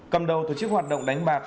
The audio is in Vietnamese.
cầm đầu tổ chức hoạt động đánh bạc